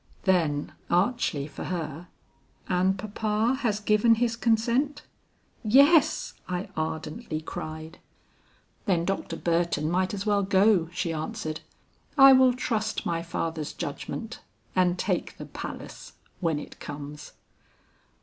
Then, archly for her, 'And papa has given his consent?' "'Yes,' I ardently cried. "'Then Dr. Burton might as well go,' she answered. 'I will trust my father's judgment, and take the palace when it comes.'